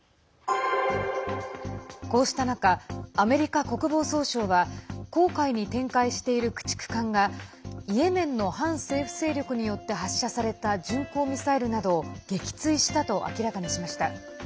こうした中アメリカ国防総省は紅海北部に展開している駆逐艦がイエメンの反政府勢力によって発射された巡航ミサイルなどを撃墜したと明らかにしました。